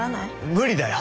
無理だよ。